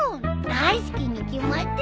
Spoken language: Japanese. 大好きに決まってるじゃん。